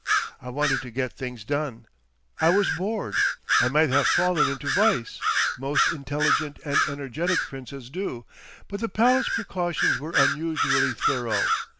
I wanted to get things done. I was bored. I might have fallen into vice, most intelligent and energetic princes do, but the palace precautions were unusually thorough.